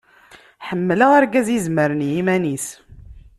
Ḥemmleɣ argaz izemren i yiman-is.